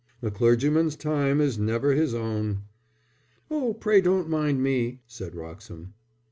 A clergyman's time is never his own." "Oh, pray don't mind me," said Wroxham.